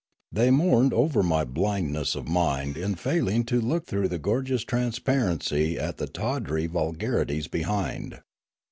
They mourned over my blindness of mind in failing to look through the gorgeous transparency at the tawdry vulgarities behind.